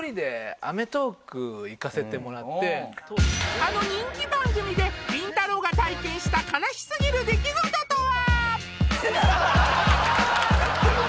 あの人気番組でりんたろー。が体験した悲しすぎる出来事とは！？